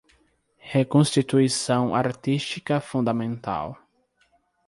Reconstituição artística fundamental